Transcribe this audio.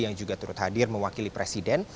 yang juga turut hadir mewakili presiden